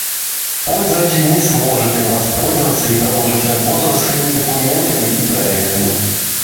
Пользователь не сможет им воспользоваться и продолжить работу со своими документами и проектами